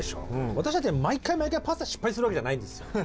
私だって毎回毎回パスタ失敗するわけじゃないんですよ。